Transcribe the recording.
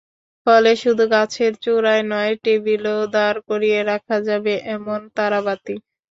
ফলে শুধু গাছের চূড়ায় নয়, টেবিলেও দাঁড় করিয়ে রাখা যাবে এমন তারাবাতি।